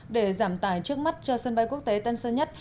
để giảm tải trước mắt cho sân bay quốc tế tân sơn nhất